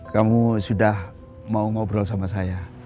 kamu sudah mau ngobrol sama saya